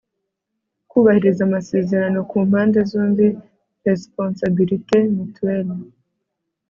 kubahiriza amasezerano ku mpande zombi (responsabilité mutuelle